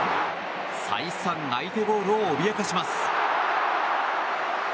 再三、相手ゴールを脅かします。